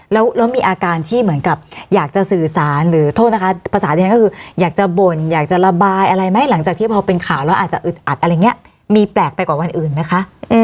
แล้วมีอาการที่เหมือนกับอยากจะสื่อสารหรือโทษนะคะภาษาที่ฉันก็คืออยากจะบ่นอยากจะระบายอะไรไหมหลังจากที่พอเป็นข่าวแล้วอาจจะอึดอัดอะไรอย่างนี้มีแปลกไปกว่าวันอื่นไหมคะ